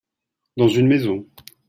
Dans une maison.